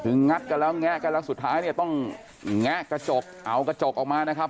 คืองัดกันแล้วแงะกันแล้วสุดท้ายเนี่ยต้องแงะกระจกเอากระจกออกมานะครับ